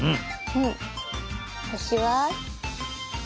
うんほしは？